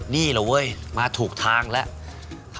นี่แหละเว้ยมาถูกทางแล้ว